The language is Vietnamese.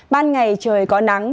ban ngày trời có nắng